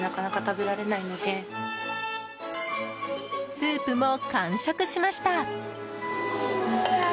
スープも完食しました。